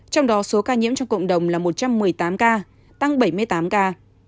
trong đó số ca nhiễm trong cộng đồng là một trăm một mươi tám ca tăng bảy mươi tám ca